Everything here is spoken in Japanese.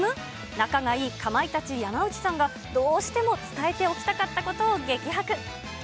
仲がいいかまいたち・山内さんがどうしても伝えておきたかったことを激白。